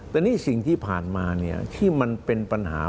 แต่นี่สิ่งที่ผ่านมาที่มันเป็นปัญหา